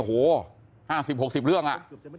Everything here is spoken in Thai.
หู้๕๐๖๐เรื่องน่ะ